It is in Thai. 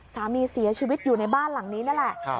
สามีเสียชีวิตอยู่ในบ้านหลังนี้นั่นแหละ